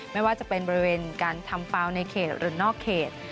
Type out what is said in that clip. ไม่ว่าจะเป็นบริเวณการทำเปล่าในเขตหรือนอกเขต